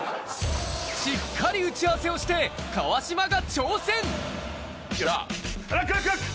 しっかり打ち合わせをして川島がラックラック！